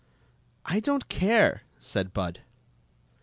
" I don't care," said Bud.